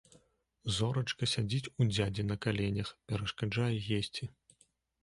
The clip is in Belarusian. Зорачка сядзіць у дзядзі на каленях, перашкаджае есці.